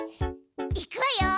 いくわよ！